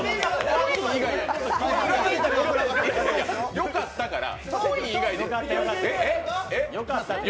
よかったから。